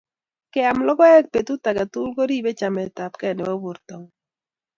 Keam logoek petut age tugul ko ripei chametapkei nebo portongung